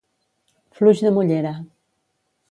Fluix de mollera.